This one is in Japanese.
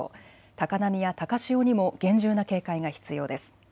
高波や高潮にも厳重な警戒が必要です。